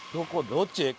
どっち？